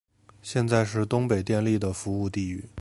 现在是东北电力的服务地域。